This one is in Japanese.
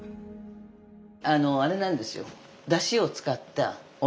あのあれなんですよ。